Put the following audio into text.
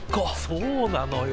そうなのよ。